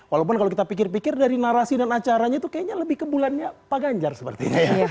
walaupun kalau kita pikir pikir dari narasi dan acaranya itu kayaknya lebih ke bulannya pak ganjar sepertinya